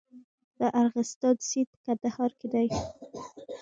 د ارغستان سیند په کندهار کې دی